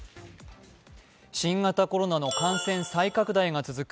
新型コロナの感染再拡大が続く